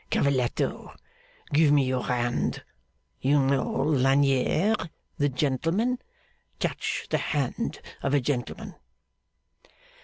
'Cavalletto! Give me your hand. You know Lagnier, the gentleman. Touch the hand of a gentleman!